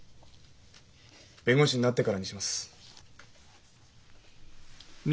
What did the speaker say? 弁護士になってからにします。